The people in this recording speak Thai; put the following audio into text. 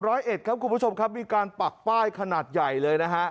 ร้อยเอ็ดครับคุณผู้ชมครับมีการปักป้ายขนาดใหญ่เลยนะฮะ